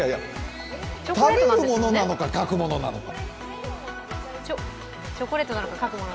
食べるものなのか、書くものなのか。